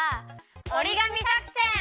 おりがみさくせん！